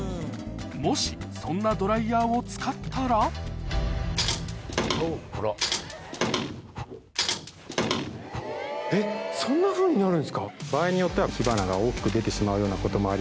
もしそんなドライヤーを使ったらえっそんなふうになるんですか？